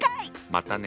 またね。